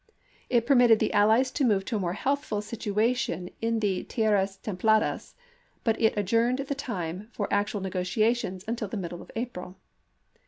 It per mitted the allies to move to a more healthful situa tion in the tierras templadas, but it adjourned the time for actual negotiations until the middle of April.